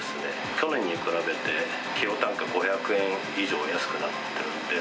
去年に比べて、キロ単価５００円以上安くなってるんで。